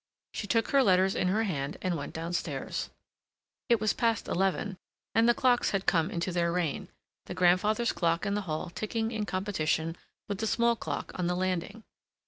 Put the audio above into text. She took her letters in her hand and went downstairs. It was past eleven, and the clocks had come into their reign, the grandfather's clock in the hall ticking in competition with the small clock on the landing.